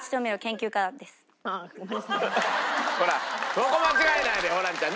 そこ間違えないでホランちゃん。